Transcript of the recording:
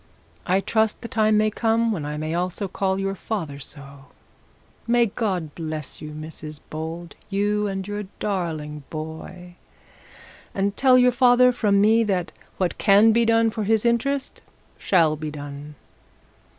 I trust the time may come when I may also call your father so. My God bless you, Mrs Bold, you and your darling boy. And tell your father from me that what can be done for his interest shall be done.'